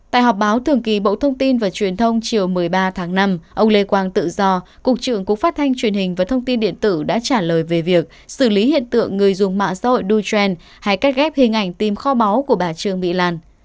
tại họp báo thường kỳ bộ thông tin và truyền thông chiều một mươi ba tháng năm ông lê quang tự do cục trưởng cục phát thanh truyền hình và thông tin điện tử đã trả lời về việc xử lý hiện tượng người dùng mạng xã hội dougen hay cắt ghép hình ảnh tìm kho máu của bà trương mỹ lan